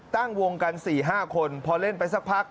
ตั้งวงกัน๔๕คนพอเล่นไปสักพัก